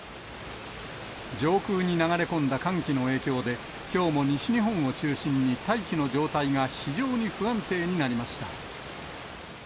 上空に流れ込んだ寒気の影響で、きょうも西日本を中心に大気の状態が非常に不安定になりました。